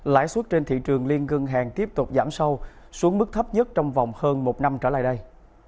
lãi suất trên thị trường liên ngân hàng tiếp tục giảm sâu xuống mức thấp nhất trong vòng hơn một năm trở lại đây